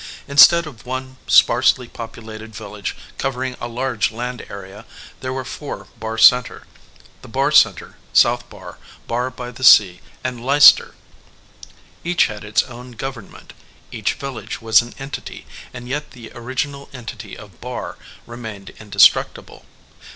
Instead of one sparsely populated village covering a large land area, there were four Barr Center, the Barr Center, South Barr, Barr by the Sea, and Leices ter. Each had its own government, each village was an entity, and yet the original entity of Barr remained indestructible.